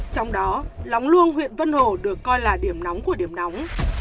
trong đó lóng luông huyện vân hồ được coi là điểm nóng của điểm nóng